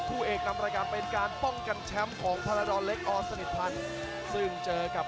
โหยกแรกถึงแม้ว่าจะได้มาสองนับครับ